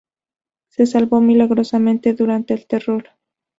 Se salvó milagrosamente durante El Terror.